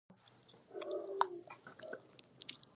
وروسته له ډیر انتظار نه د پښو څپړاوی تر غوږ شو.